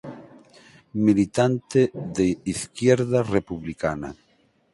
Militante de Izquierda Republicana.